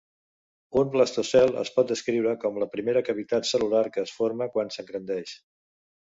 Un blastocel es pot descriure com la primera cavitat cel·lular que es forma quan s'engrandeix.